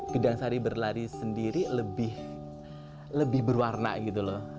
bidang sari berlari sendiri lebih berwarna gitu loh